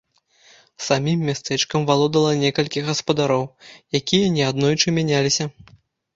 Самім мястэчкам валодала некалькі гаспадароў, якія неаднойчы мяняліся.